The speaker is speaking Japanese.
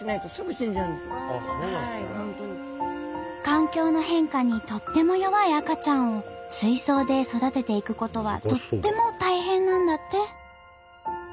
環境の変化にとっても弱い赤ちゃんを水槽で育てていくことはとっても大変なんだって。